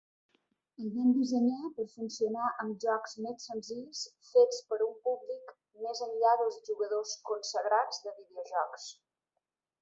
El van dissenyar per funcionar amb jocs més senzills fets per a un públic més enllà dels "jugadors consagrats de videojocs".